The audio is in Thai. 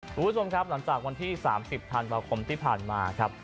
สวัสดีคุณผู้ชมครับหลังจากวันที่๓๐ธันปคมที่ผ่านมา